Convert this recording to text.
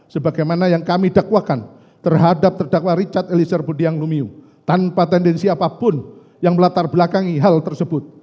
sebagaimana yang kami dakwakan terhadap terdakwa richard eliezer budiang lumiu tanpa tendensi apapun yang melatar belakangi hal tersebut